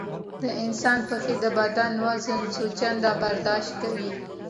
د انسان پښې د بدن وزن څو چنده برداشت کوي.